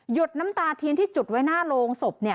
ดน้ำตาเทียนที่จุดไว้หน้าโรงศพ